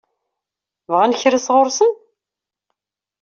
Bɣan kra sɣur-sen?